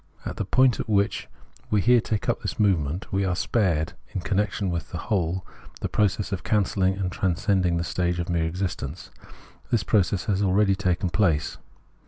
At the point at which we here take up this movement, we are spared, in connection with the whole, the process of cancelhng and transcending the stage of mere existence. This process has already taken place.